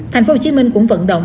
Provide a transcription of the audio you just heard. thành phố hồ chí minh cũng vận động